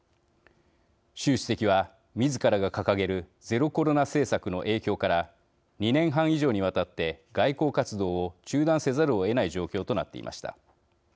習主席は、みずからが掲げるゼロコロナ政策の影響から２年半以上にわたって外交活動を中断せざるをえない状況となっていました。